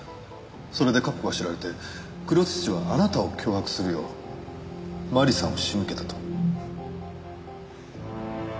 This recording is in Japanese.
それで過去が知られて黒土はあなたを脅迫するよう麻里さんを仕向けたと。